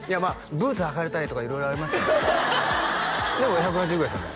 ブーツ履かれたりとか色々ありますんででも１８０ぐらいですよね？